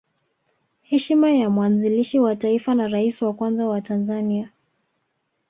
Heshima ya mwanzilishi wa Taifa na Rais wa kwanza wa Tanzania